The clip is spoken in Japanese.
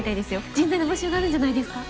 人材の募集があるんじゃないですか？